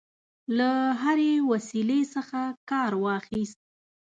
له هري وسیلې څخه کارواخیست.